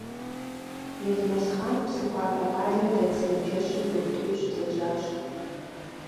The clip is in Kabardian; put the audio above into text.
Елмэсхъан Псыхуабэ къалэм дэт сымаджэщым дохутыру щылэжьащ.